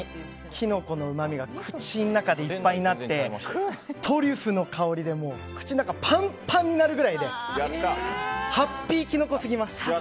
キノコのうまみが口の中でいっぱいになってトリュフの香りで口の中パンパンになるぐらいでハッピーキノコすぎます。